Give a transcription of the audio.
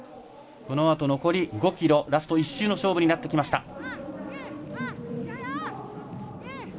このあと、残り５ｋｍラスト１周の勝負になってきました。